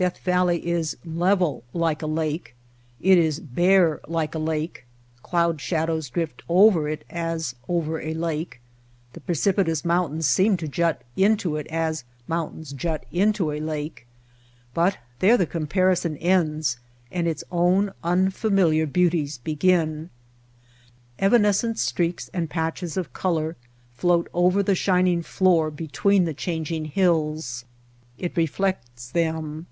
Death Valley is level like a lake, it is bare like a lake, cloud shadows drift White Heart of Mojave over it as over a lake, the precipitous mountains seem to jut into it as mountains jut into a lake, but there the comparison ends and its own unfa miliar beauties begin. Evanescent streaks and patches of color float over the shining floor between the changing hills. It reflects them.